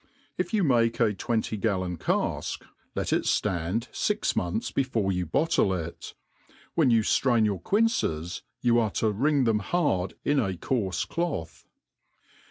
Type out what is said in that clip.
If you make a twenty galioa cafk, let it ftand fix months before you bottle it; when you ftrain your quinces, you are to wring them hard in a coarfe cloth.